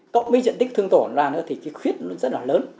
cộng với diện tích thương tổn ra nữa thì khuyết rất là lớn